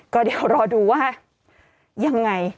ก็เดี๋ยวรอดูว่ายังไง